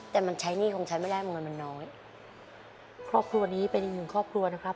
แต่มันใช้หนี้คงใช้ไม่ได้เหมือนกันมันน้อยครอบครัวนี้เป็นอีกหนึ่งครอบครัวนะครับ